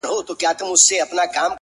يمه دي غلام سترگي راواړوه’